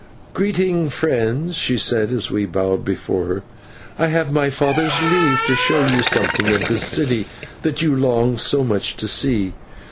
"Greetings, friends," she said, as we bowed before her. "I have my father's leave to show you something of this city that you longed so much to see.